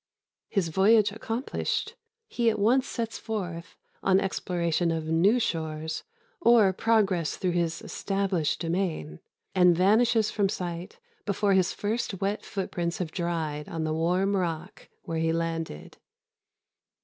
His voyage accomplished, he at once sets forth on exploration of new shores or progress through his established domain, and vanishes from sight before his first wet footprints have dried on the warm rock where he landed.